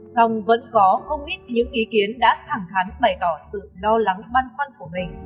song vẫn có không ít những ý kiến đã thẳng thắn bày tỏ sự lo lắng băn khoăn của mình